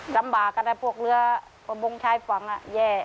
ลำบากกันนะพวกเรือประมงชายฝั่งแย่